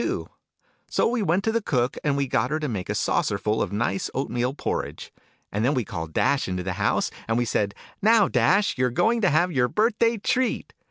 Digitized by Google 24 the NURSERY " ALICE." " So we went to the cook, and we got her to make a saucerful of nice oatmeal porridge. And then we called Dash into the house, and we said ' Now, Dash, you're going to have your birthday treat